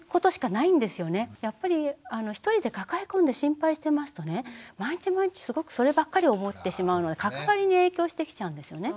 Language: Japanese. やっぱり一人で抱え込んで心配してますとね毎日毎日すごくそればっかり思ってしまうので関わりに影響してきちゃうんですよね。